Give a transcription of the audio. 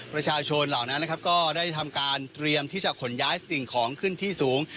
ประชาชนเหล่านั้นได้ทำการเตรียมที่จะขนย้ายสิ่งของขึ้นที่สูง